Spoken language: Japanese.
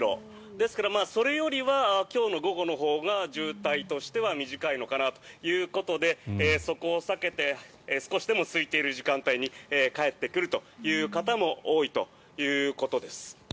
ですから、それよりは今日の午後のほうが渋滞としては短いのかなということでそこを避けて少しでもすいている時間帯に帰ってくるという方も多いということです。